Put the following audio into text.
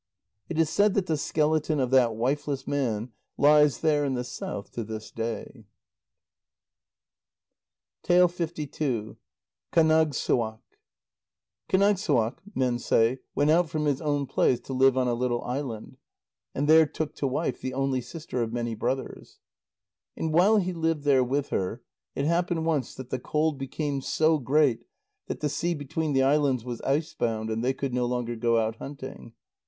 It is said that the skeleton of that wifeless man lies there in the south to this day. KÁNAGSSUAQ Kánagssuaq, men say, went out from his own place to live on a little island, and there took to wife the only sister of many brothers. And while he lived there with her, it happened once that the cold became so great that the sea between the islands was icebound, and they could no longer go out hunting.